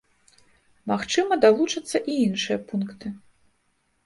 Магчыма, далучацца і іншыя пункты.